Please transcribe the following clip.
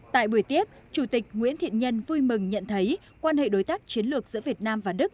tại buổi tiếp chủ tịch nguyễn thiện nhân vui mừng nhận thấy quan hệ đối tác chiến lược giữa việt nam và đức